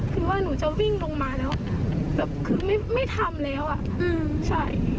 คือว่าหนูจะวิ่งลงมาแล้วแบบคือไม่ทำแล้วอ่ะอืมใช่